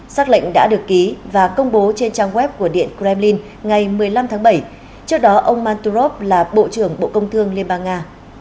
xác lệnh đã được ký và công bố trên trang web của điện kremlin ngày một mươi năm tháng bảy trước đó ông manturov là bộ trưởng bộ công thương liên bang nga